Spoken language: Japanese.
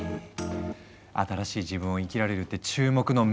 新しい自分を生きられるって注目のメタバース。